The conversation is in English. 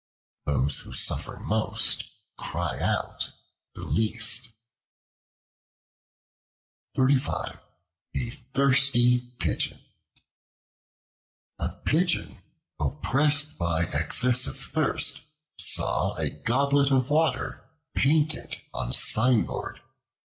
Those who suffer most cry out the least. The Thirsty Pigeon A PIGEON, oppressed by excessive thirst, saw a goblet of water painted on a signboard.